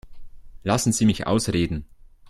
Lassen Sie mich ausreden.